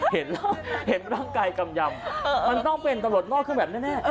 เห็นแล้วเห็นร่างกายกำยำมันต้องเป็นตำรวจนอกเครื่องแบบแน่